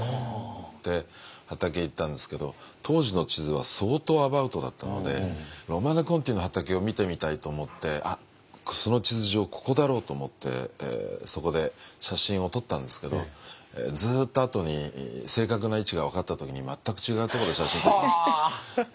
で畑行ったんですけど当時の地図は相当アバウトだったのでロマネコンティの畑を見てみたいと思ってその地図上ここだろうと思ってそこで写真を撮ったんですけどずっとあとに正確な位置が分かった時に全く違うところで写真を撮っていました。